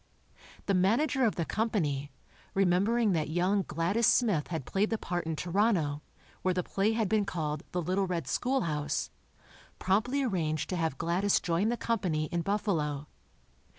The manager of the company, remembering that young Gladys Smith had played the part in Toronto, where the play had been called "The Little Red Schoolhouse," promptly arranged to have Gladys join the company in Buffalo.